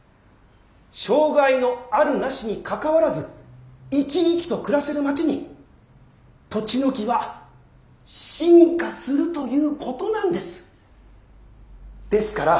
障害のあるなしにかかわらず生き生きと暮らせる街にとちのきは進化するということなんです。ですから。